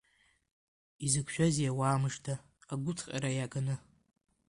Изықәшәазеи уаамыжда, агәыҭҟьара иаганы!